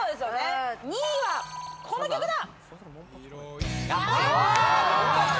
２位は、この曲だ。